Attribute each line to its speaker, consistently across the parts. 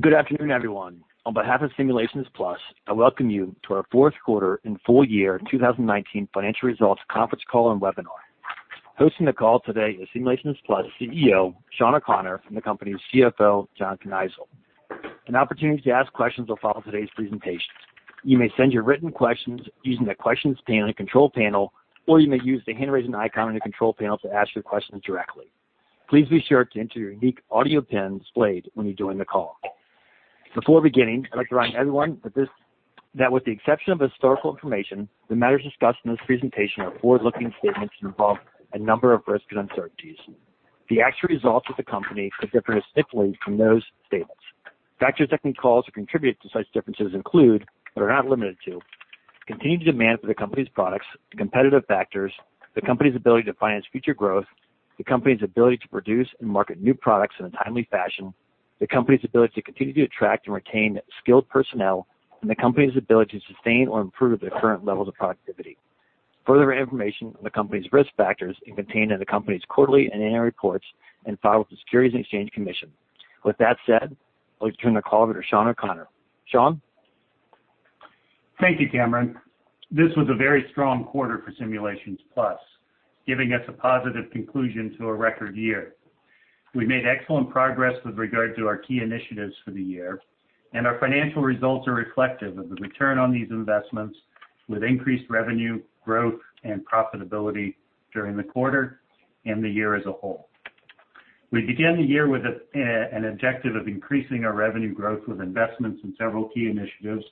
Speaker 1: Good afternoon, everyone. On behalf of Simulations Plus, I welcome you to our fourth quarter and full year 2019 financial results conference call and webinar. Hosting the call today is Simulations Plus CEO, Shawn O'Connor, and the company's CFO, John Kneisel. An opportunity to ask questions will follow today's presentations. You may send your written questions using the Questions panel in Control Panel, or you may use the Hand Raising icon in the Control Panel to ask your questions directly. Please be sure to enter your unique audio PIN displayed when you join the call. Before beginning, I'd like to remind everyone that with the exception of historical information, the matters discussed in this presentation are forward-looking statements that involve a number of risks and uncertainties. The actual results of the company could differ significantly from those statements. Factors that can cause or contribute to such differences include, but are not limited to, continued demand for the company's products, competitive factors, the company's ability to finance future growth, the company's ability to produce and market new products in a timely fashion, the company's ability to continue to attract and retain skilled personnel, and the company's ability to sustain or improve their current levels of productivity. Further information on the company's risk factors is contained in the company's quarterly and annual reports and filed with the Securities and Exchange Commission. With that said, I'd like to turn the call over to Shawn O'Connor. Shawn?
Speaker 2: Thank you, Cameron. This was a very strong quarter for Simulations Plus, giving us a positive conclusion to a record year. We made excellent progress with regard to our key initiatives for the year, and our financial results are reflective of the return on these investments with increased revenue, growth, and profitability during the quarter and the year as a whole. We began the year with an objective of increasing our revenue growth with investments in several key initiatives.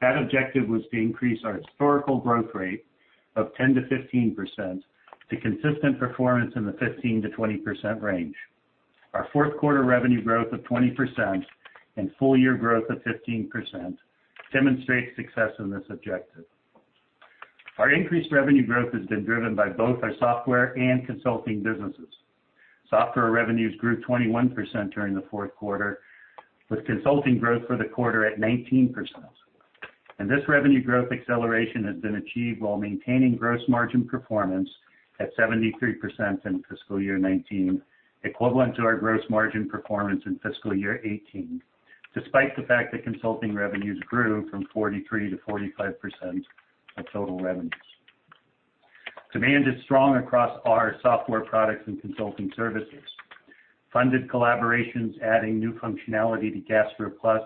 Speaker 2: That objective was to increase our historical growth rate of 10%-15%, to consistent performance in the 15%-20% range. Our fourth quarter revenue growth of 20% and full-year growth of 15% demonstrates success in this objective. Our increased revenue growth has been driven by both our software and consulting businesses. Software revenues grew 21% during the fourth quarter, with consulting growth for the quarter at 19%. This revenue growth acceleration has been achieved while maintaining gross margin performance at 73% in fiscal year 2019, equivalent to our gross margin performance in fiscal year 2018, despite the fact that consulting revenues grew from 43% to 45% of total revenues. Demand is strong across our software products and consulting services. Funded collaborations adding new functionality to GastroPlus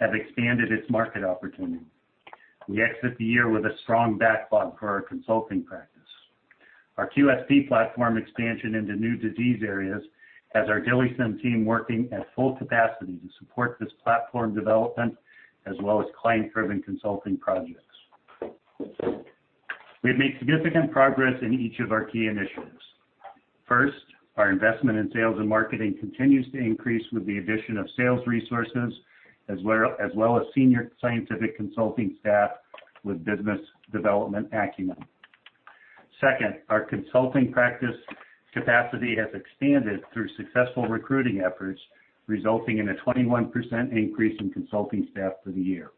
Speaker 2: have expanded its market opportunity. We exit the year with a strong backlog for our consulting practice. Our QSP platform expansion into new disease areas has our DILIsym team working at full capacity to support this platform development, as well as client-driven consulting projects. We have made significant progress in each of our key initiatives. First, our investment in sales and marketing continues to increase with the addition of sales resources, as well as senior scientific consulting staff with business development acumen. Our consulting practice capacity has expanded through successful recruiting efforts, resulting in a 21% increase in consulting staff for the year.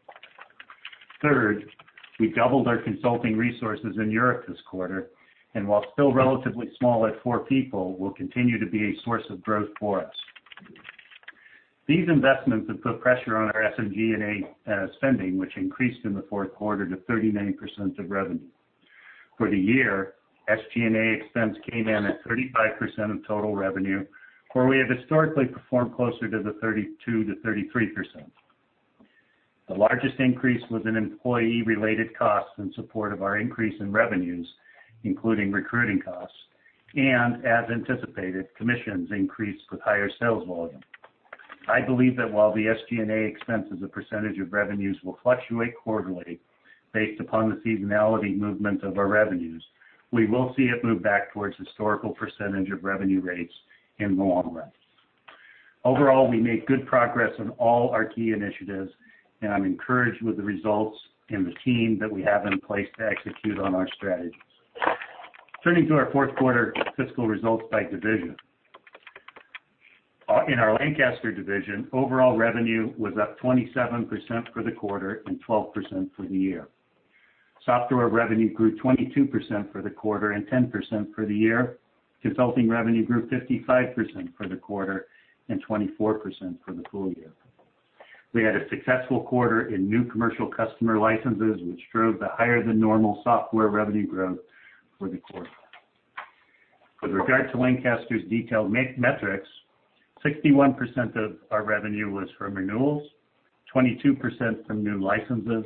Speaker 2: We doubled our consulting resources in Europe this quarter, and while still relatively small at four people, will continue to be a source of growth for us. These investments have put pressure on our SG&A spending, which increased in the fourth quarter to 39% of revenue. For the year, SG&A expense came in at 35% of total revenue, where we have historically performed closer to the 32%-33%. The largest increase was in employee-related costs in support of our increase in revenues, including recruiting costs, and as anticipated, commissions increased with higher sales volume. I believe that while the SG&A expense as a percentage of revenues will fluctuate quarterly based upon the seasonality movement of our revenues, we will see it move back towards historical percentage of revenue rates in the long run. Overall, we made good progress on all our key initiatives, and I'm encouraged with the results and the team that we have in place to execute on our strategies. Turning to our fourth quarter fiscal results by division. In our Lancaster division, overall revenue was up 27% for the quarter and 12% for the year. Software revenue grew 22% for the quarter and 10% for the year. Consulting revenue grew 55% for the quarter and 24% for the full year. We had a successful quarter in new commercial customer licenses, which drove the higher-than-normal software revenue growth for the quarter. With regard to Lancaster's detailed metrics, 61% of our revenue was from renewals, 22% from new licenses,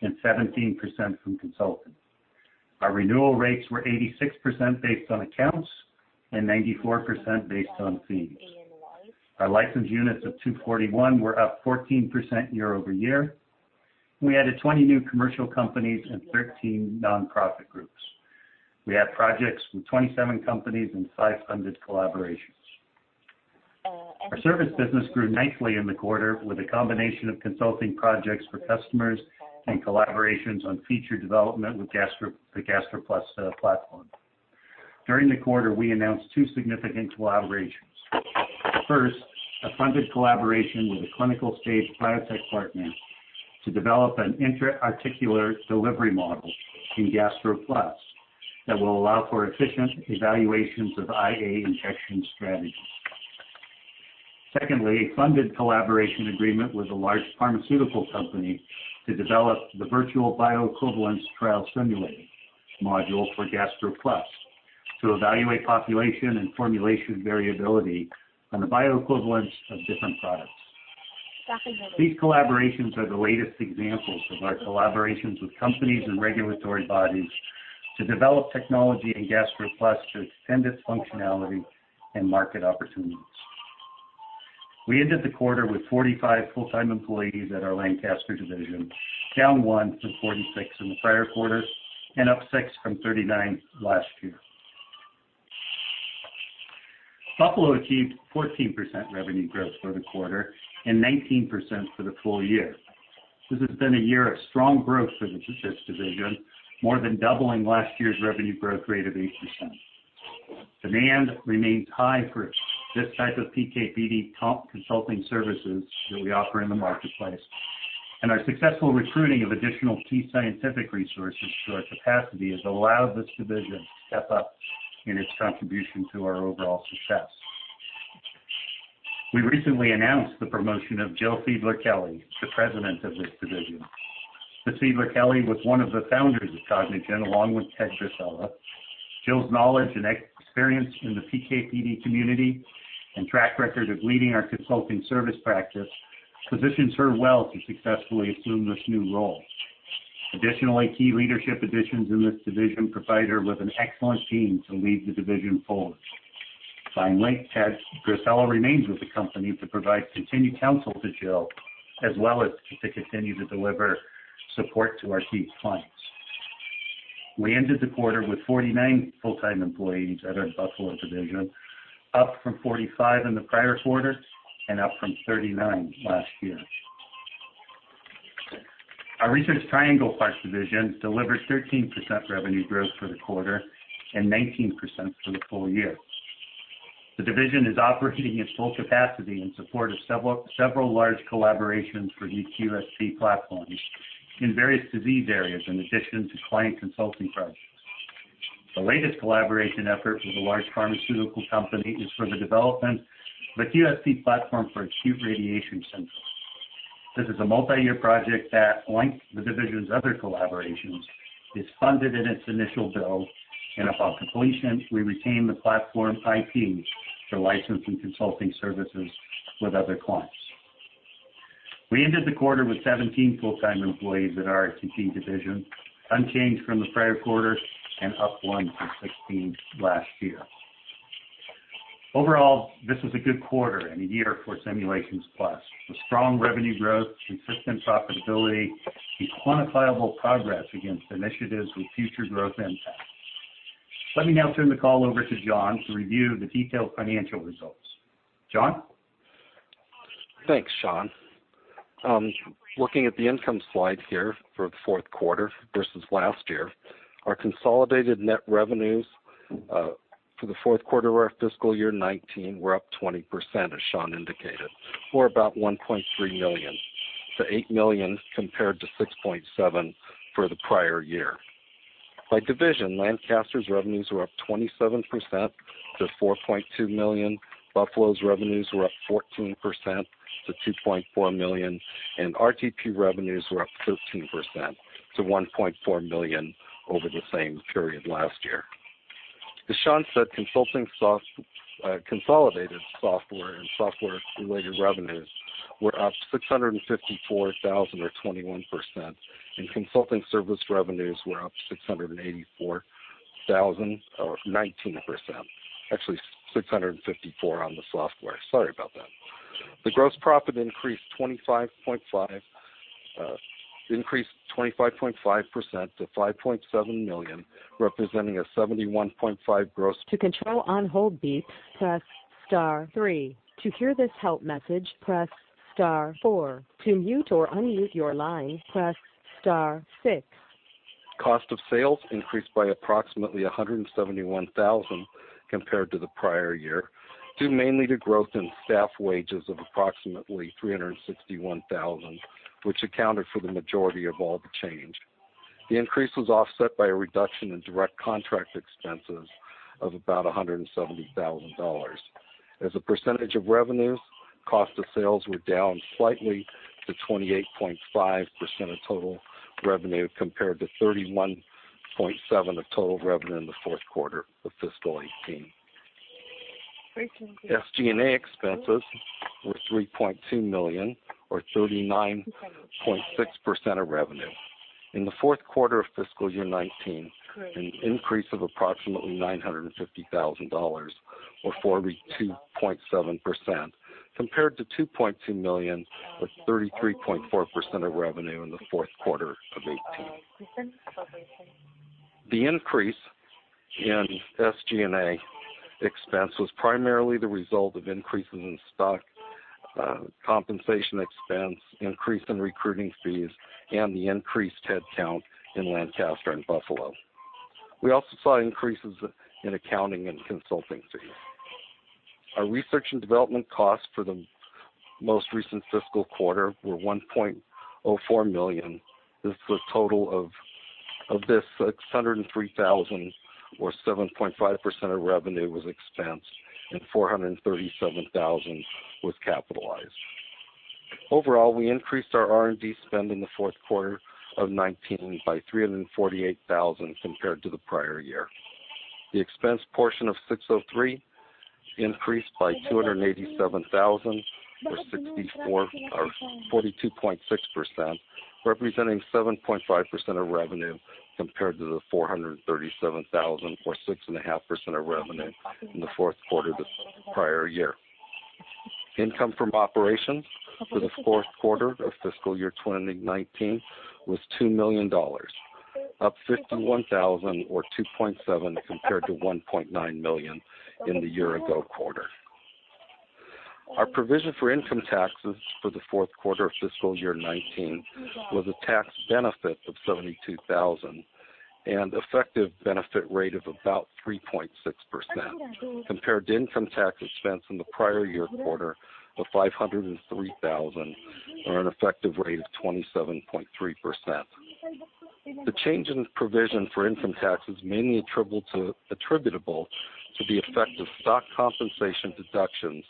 Speaker 2: and 17% from consulting. Our renewal rates were 86% based on accounts and 94% based on fees. Our license units of 241 were up 14% year-over-year. We added 20 new commercial companies and 13 nonprofit groups. We had projects with 27 companies and five funded collaborations. Our service business grew nicely in the quarter with a combination of consulting projects for customers and collaborations on feature development with the GastroPlus platform. During the quarter, we announced two significant collaborations. First, a funded collaboration with a clinical-stage biotech partner to develop an intra-articular delivery model in GastroPlus that will allow for efficient evaluations of IA injection strategies. Secondly, a funded collaboration agreement with a large pharmaceutical company to develop the virtual bioequivalence trial simulator module for GastroPlus to evaluate population and formulation variability on the bioequivalence of different products. These collaborations are the latest examples of our collaborations with companies and regulatory bodies to develop technology in GastroPlus to extend its functionality and market opportunities. We ended the quarter with 45 full-time employees at our Lancaster division, down one from 46 in the prior quarter and up six from 39 last year. Buffalo achieved 14% revenue growth for the quarter and 19% for the full year. This has been a year of strong growth for this division, more than doubling last year's revenue growth rate of 8%. Demand remains high for this type of PK/PD consulting services that we offer in the marketplace. Our successful recruiting of additional key scientific resources to our capacity has allowed this division to step up in its contribution to our overall success. We recently announced the promotion of Jill Fiedler-Kelly, the president of this division. Ms. Fiedler-Kelly was one of the founders of Cognigen, along with Ted Grasela. Jill's knowledge and experience in the PK/PD community and track record of leading our consulting service practice positions her well to successfully assume this new role. Additionally, key leadership additions in this division provide her with an excellent team to lead the division forward. Finally, Ted Grasela remains with the company to provide continued counsel to Jill, as well as to continue to deliver support to our key clients. We ended the quarter with 49 full-time employees at our Buffalo division, up from 45 in the prior quarter and up from 39 last year. Our Research Triangle Park division delivered 13% revenue growth for the quarter and 19% for the full year. The division is operating at full capacity in support of several large collaborations for new QSP platforms in various disease areas, in addition to client consulting projects. The latest collaboration effort with a large pharmaceutical company is for the development of a QSP platform for acute radiation syndrome. This is a multi-year project that, like the division's other collaborations, is funded in its initial build, and upon completion, we retain the platform IP for license and consulting services with other clients. We ended the quarter with 17 full-time employees at our RTP division, unchanged from the prior quarter and up one from 16 last year. Overall, this was a good quarter and a year for Simulations Plus, with strong revenue growth, consistent profitability, and quantifiable progress against initiatives with future growth impact. Let me now turn the call over to John to review the detailed financial results. John?
Speaker 3: Thanks, Shawn. Looking at the income slide here for the fourth quarter versus last year, our consolidated net revenues, for the fourth quarter of fiscal year 2019 were up 20%, as Shawn indicated, or about $1.3 million, to $8 million compared to $6.7 million for the prior year. By division, Lancaster's revenues were up 27% to $4.2 million. Buffalo's revenues were up 14% to $2.4 million, and RTP revenues were up 13% to $1.4 million over the same period last year. As Shawn said, consolidated software and software-related revenues were up $654,000 or 21%, and consulting service revenues were up $684,000 or 19%. Actually $654,000 on the software. Sorry about that. The gross profit increased 25.5% to $5.7 million, representing a 71.5 gross-
Speaker 4: To control on-hold beeps, press star three. To hear this help message, press star four. To mute or unmute your line, press star six.
Speaker 3: Cost of sales increased by approximately $171,000 compared to the prior year, due mainly to growth in staff wages of approximately $361,000, which accounted for the majority of all the change. The increase was offset by a reduction in direct contract expenses of about $170,000. As a percentage of revenues, cost of sales were down slightly to 28.5% of total revenue, compared to 31.7% of total revenue in the fourth quarter of fiscal 2018. SG&A expenses were $3.2 million or 39.6% of revenue. In the fourth quarter of fiscal year 2019, an increase of approximately $950,000 or 42.7%, compared to $2.2 million or 33.4% of revenue in the fourth quarter of 2018. The increase in SG&A expense was primarily the result of increases in stock, compensation expense, increase in recruiting fees, and the increased headcount in Lancaster and Buffalo. We also saw increases in accounting and consulting fees. Our research and development costs for the most recent fiscal quarter were $1.04 million. This is a total of this, $603,000 or 7.5% of revenue was expensed and $437,000 was capitalized. Overall, we increased our R&D spend in the fourth quarter of 2019 by $348,000 compared to the prior year. The expense portion of $603,000 increased by $287,000 or 42.6%, representing 7.5% of revenue compared to the $437,000 or 6.5% of revenue in the fourth quarter the prior year. Income from operations for the fourth quarter of fiscal year 2019 was $2 million, up $51,000 or 2.7% compared to $1.9 million in the year ago quarter. Our provision for income taxes for the fourth quarter of fiscal year 2019 was a tax benefit of $72,000 and effective benefit rate of about 3.6%, compared to income taxes expense in the prior year quarter of $503,000 or an effective rate of 27.3%. The change in provision for income taxes mainly attributable to the effect of stock compensation deductions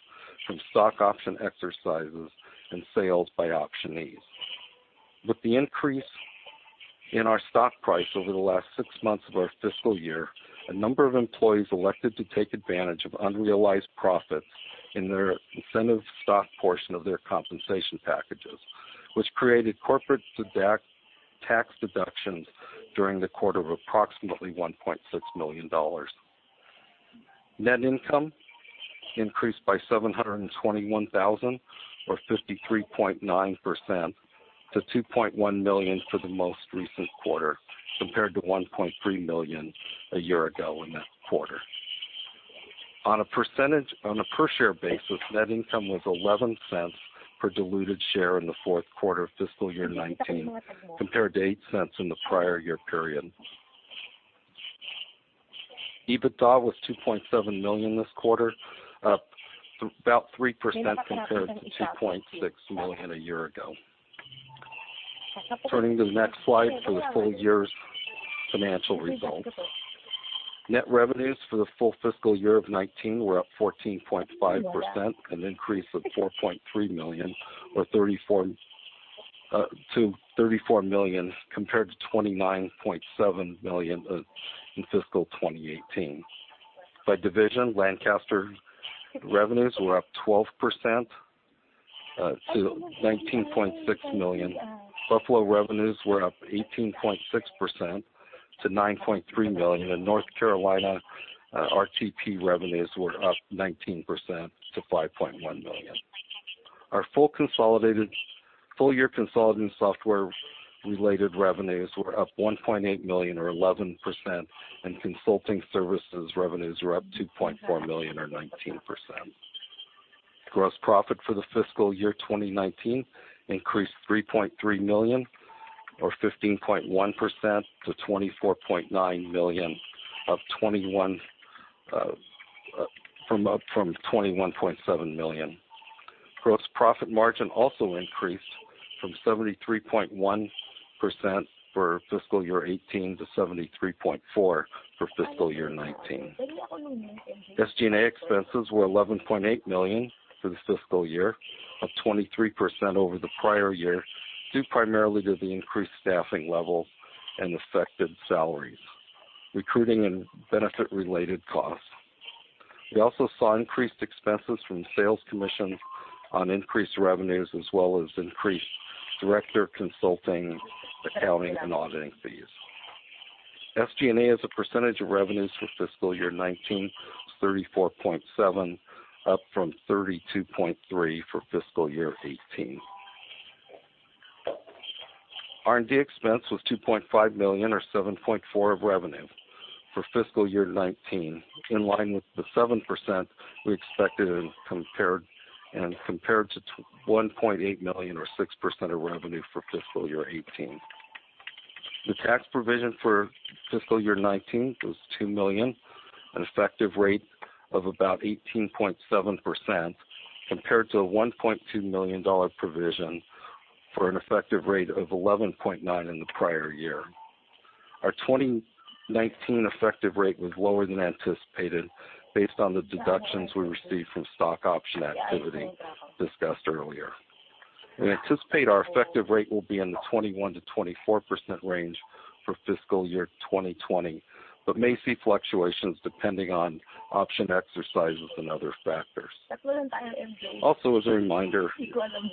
Speaker 3: from stock option exercises and sales by optionees. With the increase in our stock price over the last 6 months of our fiscal year, a number of employees elected to take advantage of unrealized profits in their incentive stock portion of their compensation packages, which created corporate tax deductions during the quarter of approximately $1.6 million. Net income increased by $721,000 or 53.9% to $2.1 million for the most recent quarter compared to $1.3 million a year ago in that quarter. On a per share basis, net income was $0.11 per diluted share in the fourth quarter of fiscal year 2019, compared to $0.08 in the prior year period. EBITDA was $2.7 million this quarter, up about 3% compared to $2.6 million a year ago. Turning to the next slide for the full year's financial results. Net revenues for the full fiscal year of 2019 were up 14.5%, an increase of $4.3 million to $34 million compared to $29.7 million in fiscal 2018. By division, Lancaster revenues were up 12% to $19.6 million. Buffalo revenues were up 18.6% to $9.3 million, and North Carolina RTP revenues were up 19% to $5.1 million. Our full year consolidated software related revenues were up $1.8 million or 11%, and consulting services revenues were up $2.4 million or 19%. Gross profit for the fiscal year 2019 increased $3.3 million or 15.1% to $24.9 million, up from $21.7 million. Gross profit margin also increased from 73.1% for fiscal year 2018 to 73.4% for fiscal year 2019. SG&A expenses were $11.8 million for the fiscal year, up 23% over the prior year, due primarily to the increased staffing level and affected salaries, recruiting and benefit related costs. We also saw increased expenses from sales commissions on increased revenues as well as increased director consulting, accounting and auditing fees. SG&A as a percentage of revenues for fiscal year 2019 was 34.7%, up from 32.3% for fiscal year 2018. R&D expense was $2.5 million or 7.4% of revenue for fiscal year 2019, in line with the 7% we expected and compared to $1.8 million or 6% of revenue for fiscal year 2018. The tax provision for fiscal year 2019 was $2 million, an effective rate of about 18.7%, compared to a $1.2 million provision for an effective rate of 11.9% in the prior year. Our 2019 effective rate was lower than anticipated based on the deductions we received from stock option activity discussed earlier. We anticipate our effective rate will be in the 21%-24% range for fiscal year 2020, but may see fluctuations depending on option exercises and other factors. As a reminder,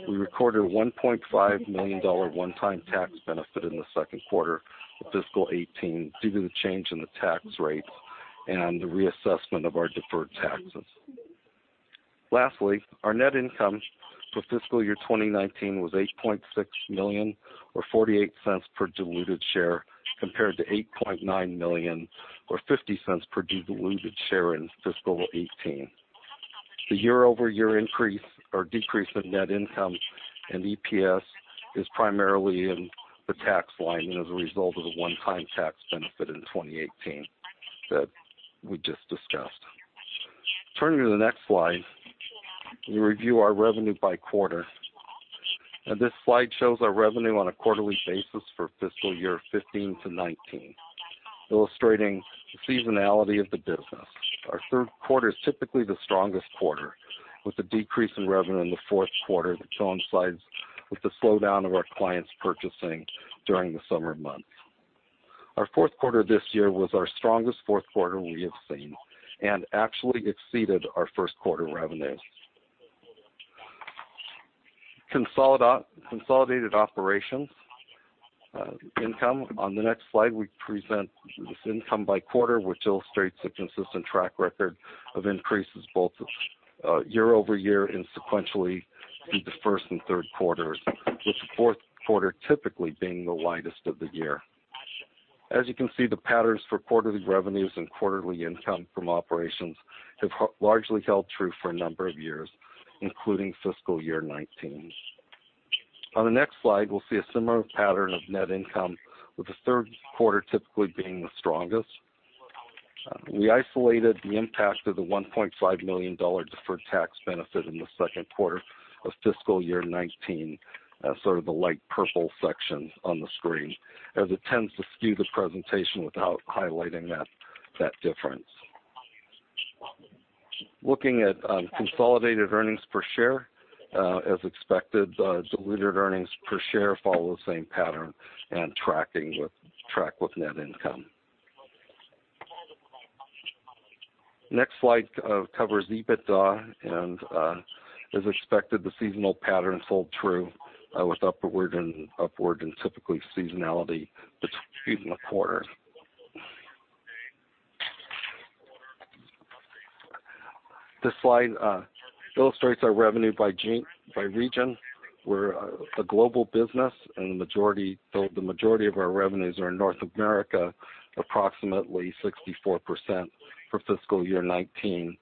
Speaker 3: we recorded $1.5 million one-time tax benefit in the second quarter of fiscal 2018 due to the change in the tax rates and the reassessment of our deferred taxes. Our net income for fiscal year 2019 was $8.6 million or $0.48 per diluted share compared to $8.9 million or $0.50 per diluted share in fiscal 2018. The year-over-year increase or decrease in net income and EPS is primarily in the tax line and as a result of the one-time tax benefit in 2018 that we just discussed. Turning to the next slide, we review our revenue by quarter. This slide shows our revenue on a quarterly basis for fiscal year 2015 to 2019, illustrating the seasonality of the business. Our third quarter is typically the strongest quarter, with a decrease in revenue in the fourth quarter that coincides with the slowdown of our clients purchasing during the summer months. Our fourth quarter this year was our strongest fourth quarter we have seen and actually exceeded our first quarter revenues. Consolidated operations income. On the next slide, we present this income by quarter, which illustrates a consistent track record of increases both year-over-year and sequentially through the first and third quarters, with the fourth quarter typically being the lightest of the year. As you can see, the patterns for quarterly revenues and quarterly income from operations have largely held true for a number of years, including fiscal year 2019. On the next slide, we'll see a similar pattern of net income, with the third quarter typically being the strongest. We isolated the impact of the $1.5 million deferred tax benefit in the second quarter of fiscal year 2019, sort of the light purple section on the screen, as it tends to skew the presentation without highlighting that difference. Looking at consolidated earnings per share. As expected, diluted earnings per share follow the same pattern and track with net income. Next slide covers EBITDA, and as expected, the seasonal pattern sold true, with upward and typically seasonality between the quarters. This slide illustrates our revenue by region. We're a global business, and the majority of our revenues are in North America, approximately 64% for fiscal year 2019.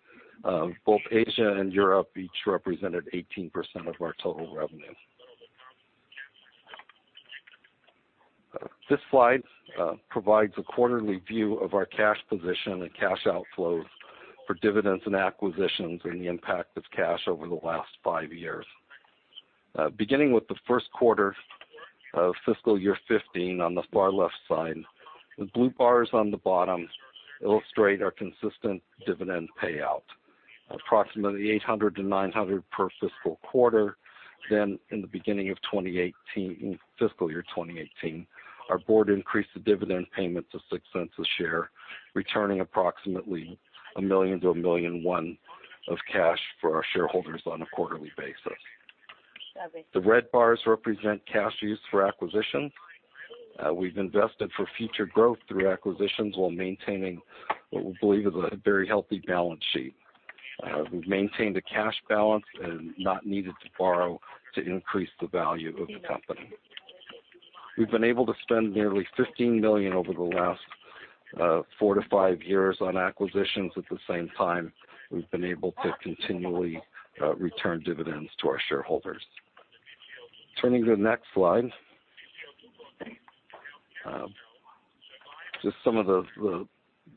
Speaker 3: Both Asia and Europe each represented 18% of our total revenue. This slide provides a quarterly view of our cash position and cash outflows for dividends and acquisitions and the impact of cash over the last five years. Beginning with the first quarter of fiscal year 2015 on the far left side, the blue bars on the bottom illustrate our consistent dividend payout. Approximately $800-$900 per fiscal quarter. In the beginning of fiscal year 2018, our board increased the dividend payment to $0.06 a share, returning approximately $1 million to $1.1 million of cash for our shareholders on a quarterly basis. The red bars represent cash used for acquisition. We've invested for future growth through acquisitions while maintaining what we believe is a very healthy balance sheet. We've maintained a cash balance and not needed to borrow to increase the value of the company. We've been able to spend nearly $15 million over the last four to five years on acquisitions. At the same time, we've been able to continually return dividends to our shareholders. Turning to the next slide. Just some of the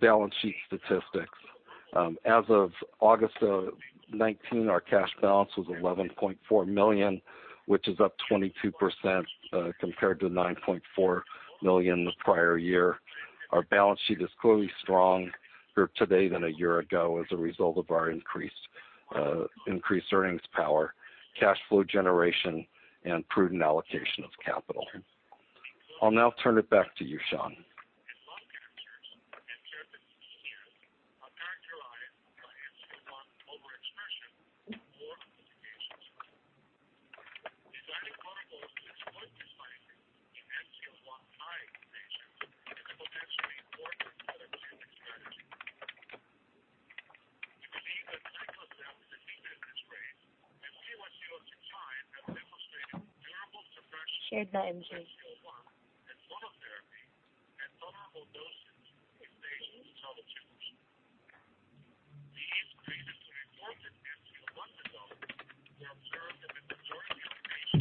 Speaker 3: balance sheet statistics. As of August 2019, our cash balance was $11.4 million,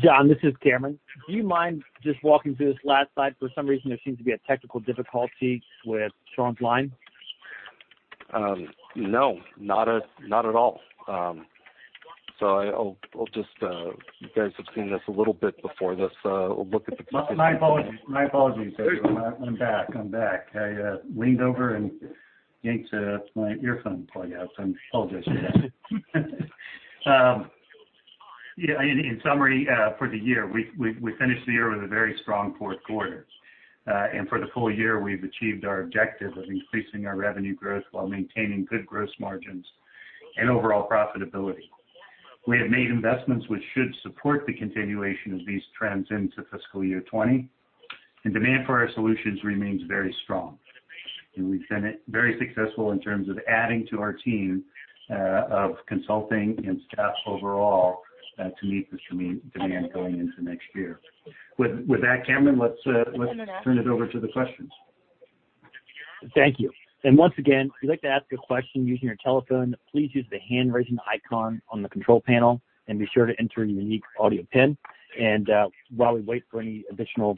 Speaker 1: John, this is Cameron. Do you mind just walking through this last slide? For some reason, there seems to be a technical difficulty with Shawn's line.
Speaker 3: No, not at all. You guys have seen this a little bit before this.
Speaker 2: My apologies, everyone. I'm back. I leaned over and yanked my earphone plug out. I apologize for that. In summary, for the year, we finished the year with a very strong fourth quarter. For the full year, we've achieved our objective of increasing our revenue growth while maintaining good gross margins and overall profitability. We have made investments which should support the continuation of these trends into fiscal year 2020, and demand for our solutions remains very strong. We've been very successful in terms of adding to our team of consulting and staff overall to meet this demand going into next year. With that, Cameron, let's turn it over to the questions.
Speaker 1: Thank you. Once again, if you'd like to ask a question using your telephone, please use the hand-raising icon on the control panel and be sure to enter your unique audio pin. While we wait for any additional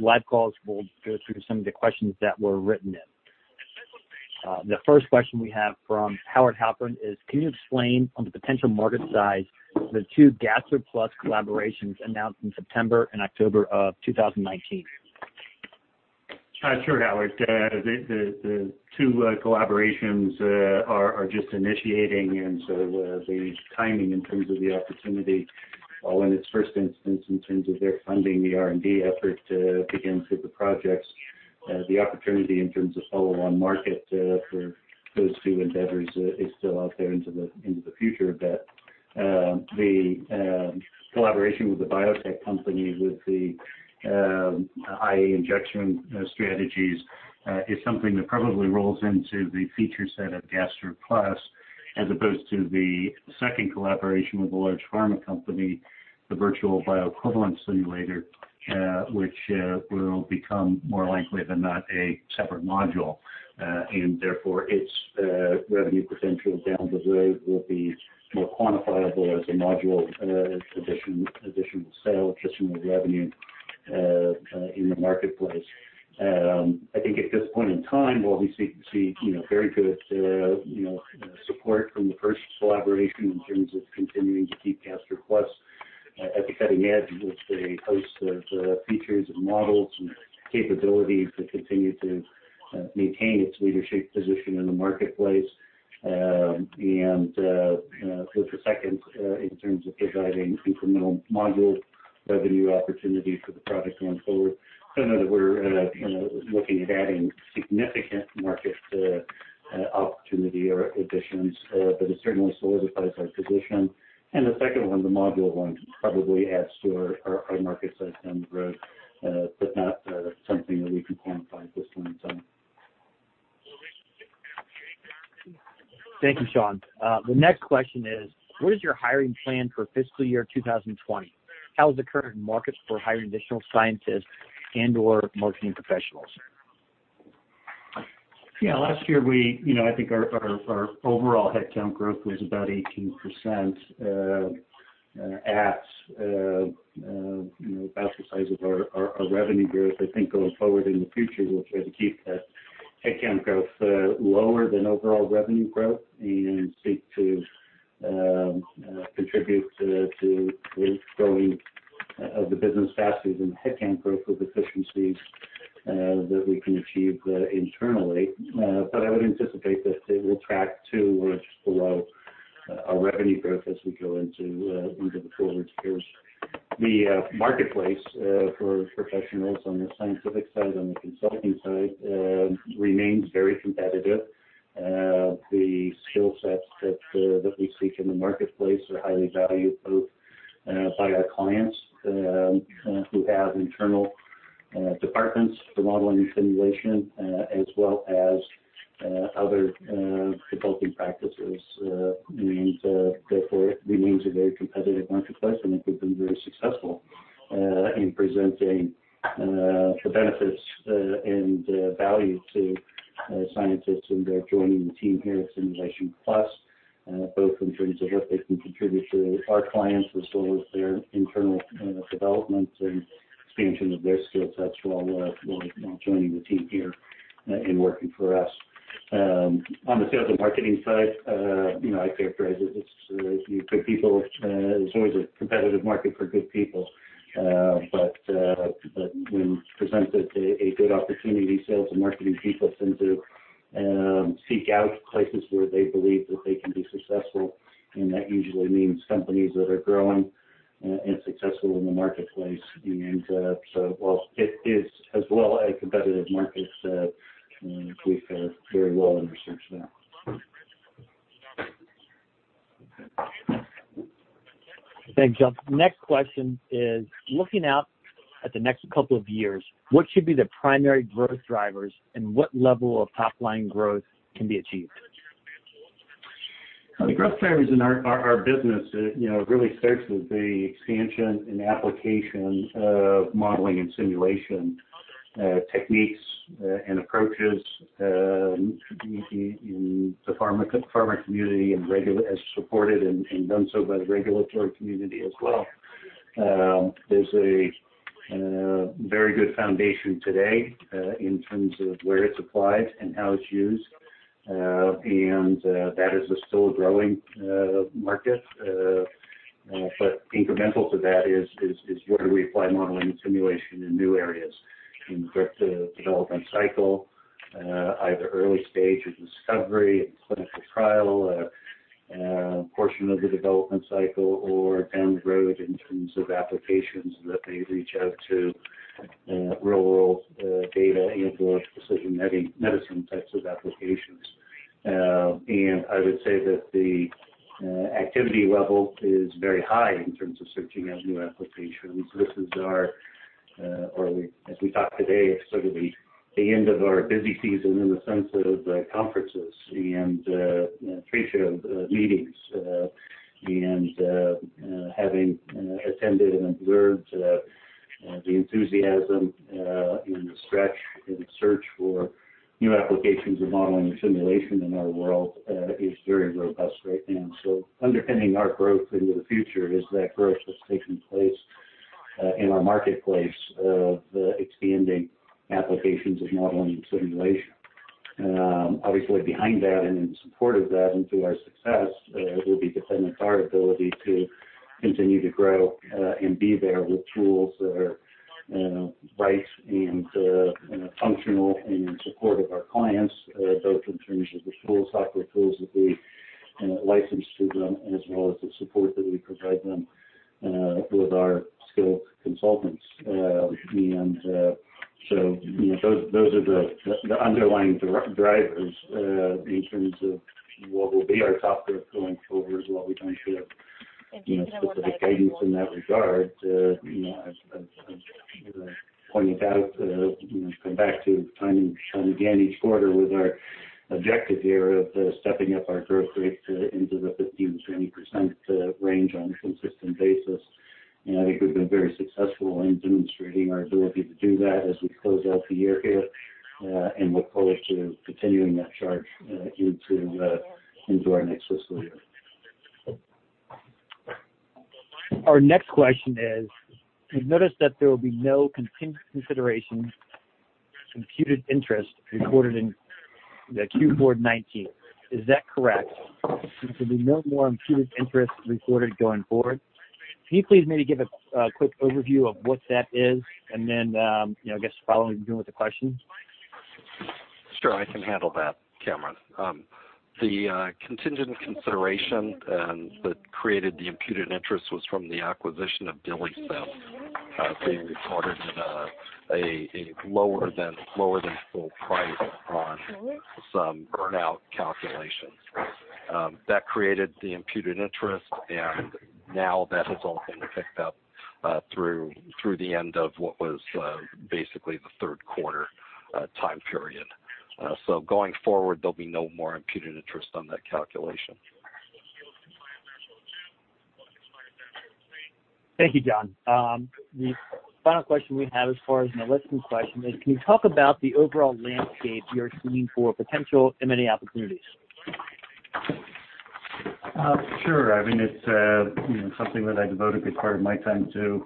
Speaker 1: live calls, we'll go through some of the questions that were written in. The first question we have from Howard Halpern is: Can you explain on the potential market size the two GastroPlus collaborations announced in September and October of 2019?
Speaker 2: Sure, Howard. The two collaborations are just initiating, the timing in terms of the opportunity, well, in its first instance, in terms of their funding the R&D effort to begin with the projects, the opportunity in terms of follow-on market for those two endeavors is still out there into the future a bit. The collaboration with the biotech company with the IA injection strategies is something that probably rolls into the feature set of GastroPlus as opposed to the second collaboration with a large pharma company, the virtual bioequivalence simulator which will become more likely than not a separate module. Therefore, its revenue potential down the road will be more quantifiable as a module, additional sale, additional revenue in the marketplace. I think at this point in time, while we see very good support from the first collaboration in terms of continuing to keep GastroPlus at the cutting edge with a host of features and models and capabilities that continue to maintain its leadership position in the marketplace. With the second, in terms of providing incremental module revenue opportunity for the product going forward, I don't know that we're looking at adding significant market opportunity or acquisitions, but it certainly solidifies our position. The second one, the module one, probably adds to our market size down the road but not something that we can quantify at this point in time.
Speaker 1: Thank you, Shawn. The next question is: What is your hiring plan for fiscal year 2020? How is the current market for hiring additional scientists and/or marketing professionals?
Speaker 2: Yeah, last year, I think our overall headcount growth was about 18% at about the size of our revenue growth. I think going forward in the future, we'll try to keep that headcount growth lower than overall revenue growth and seek to contribute to the growth of the business faster than headcount growth with efficiencies that we can achieve internally. I would anticipate that it will track to or just below our revenue growth as we go into the forward years. The marketplace for professionals on the scientific side, on the consulting side, remains very competitive. The skill sets that we seek in the marketplace are highly valued both by our clients who have internal departments for modeling and simulation, as well as other consulting practices. Therefore, it remains a very competitive marketplace, and we've been very successful in presenting the benefits and value to scientists who are joining the team here at Simulations Plus, both in terms of what they can contribute to our clients as well as their internal development and expansion of their skill sets while joining the team here and working for us. On the sales and marketing side, I characterize it as good people. There's always a competitive market for good people. When presented a good opportunity, sales and marketing people tend to seek out places where they believe that they can be successful, and that usually means companies that are growing and successful in the marketplace. While it is as well a competitive market, we fare very well in research there.
Speaker 1: Thanks, John. Next question is: Looking out at the next couple of years, what should be the primary growth drivers, and what level of top-line growth can be achieved?
Speaker 2: The growth drivers in our business really starts with the expansion and application of modeling and simulation techniques and approaches in the pharma community as supported and done so by the regulatory community as well. There's a very good foundation today in terms of where it's applied and how it's used, and that is a still growing market. Incremental to that is where do we apply modeling and simulation in new areas in the development cycle, either early stages of discovery and clinical trial portion of the development cycle or down the road in terms of applications that may reach out to real-world data and/or precision medicine types of applications. I would say that the activity level is very high in terms of searching out new applications. As we talk today, it's sort of the end of our busy season in the sense of conferences and trade show meetings. Having attended and observed the enthusiasm and the stretch and search for new applications of modeling and simulation in our world is very robust right now. Underpinning our growth into the future is that growth that's taking place in our marketplace of expanding applications of modeling and simulation. Obviously behind that and in support of that and to our success, will be dependent our ability to continue to grow and be there with tools that are right and functional in support of our clients, both in terms of the tools, software tools that we license to them, as well as the support that we provide them with our skilled consultants. Those are the underlying drivers in terms of what will be our software going forward as well. We don't issue specific guidance in that regard. As I pointed out, going back to time and again, each quarter with our objective here of stepping up our growth rate into the 15%-20% range on a consistent basis. I think we've been very successful in demonstrating our ability to do that as we close out the year here, and look forward to continuing that charge into our next fiscal year.
Speaker 1: Our next question is, we've noticed that there will be no contingent consideration, imputed interest recorded in the Q4 2019. Is that correct? There will be no more imputed interest recorded going forward. Can you please maybe give a quick overview of what that is and then, I guess following through with the question?
Speaker 3: Sure. I can handle that, Cameron. The contingent consideration that created the imputed interest was from the acquisition of DILIsym being recorded at a lower than full price on some burnout calculations. That created the imputed interest, and now that has all been picked up through the end of what was basically the third quarter time period. Going forward, there'll be no more imputed interest on that calculation.
Speaker 1: Thank you, John. The final question we have as far as an analyst question is, can you talk about the overall landscape you're seeing for potential M&A opportunities?
Speaker 2: Sure. It's something that I devote a good part of my time to.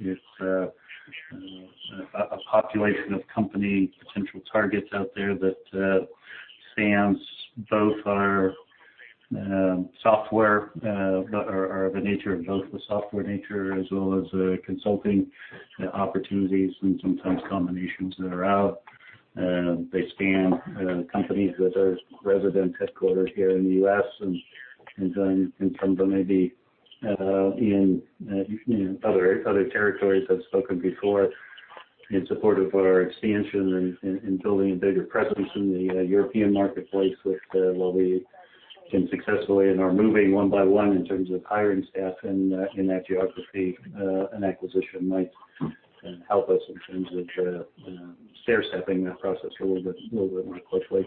Speaker 2: It's a population of company potential targets out there that spans both our software or the nature of both the software nature as well as consulting opportunities and sometimes combinations that are out. They span companies that are resident headquartered here in the U.S. and some that may be in other territories. I've spoken before in support of our expansion and building a bigger presence in the European marketplace, which while we've been successful and are moving one by one in terms of hiring staff in that geography, an acquisition might help us in terms of stair stepping that process a little bit more quickly.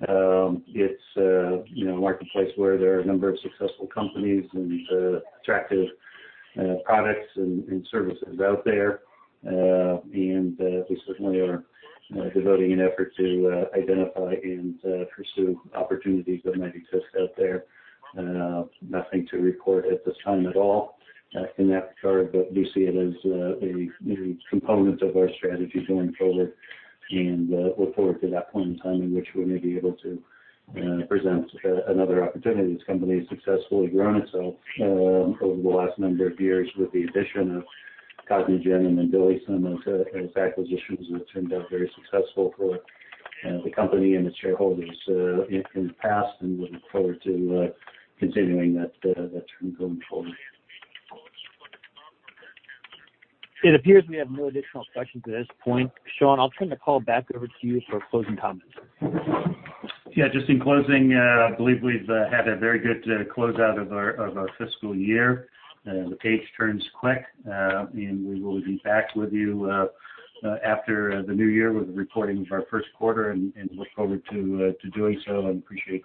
Speaker 2: It's a marketplace where there are a number of successful companies and attractive products and services out there. We certainly are devoting an effort to identify and pursue opportunities that might exist out there. Nothing to report at this time at all in that regard, but we see it as a component of our strategy going forward. Look forward to that point in time in which we may be able to present another opportunity. This company has successfully grown itself over the last number of years with the addition of Cognigen and then DILIsym as acquisitions that turned out very successful for the company and the shareholders in the past and would look forward to continuing that trend going forward.
Speaker 1: It appears we have no additional questions at this point. Shawn, I'll turn the call back over to you for closing comments.
Speaker 2: Yeah. Just in closing, I believe we've had a very good closeout of our fiscal year. The page turns quick. We will be back with you after the new year with the reporting of our first quarter. Look forward to doing so and appreciate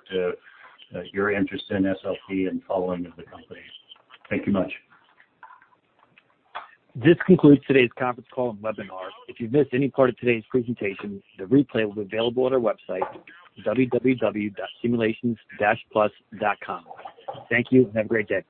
Speaker 2: your interest in SLP and following of the company. Thank you much.
Speaker 1: This concludes today's conference call and webinar. If you've missed any part of today's presentation, the replay will be available at our website, www.simulations-plus.com. Thank you and have a great day.